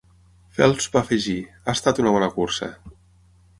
Phelps va afegir: Ha estat una bona cursa.